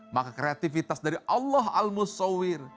maka kreativitas dari allah al musawir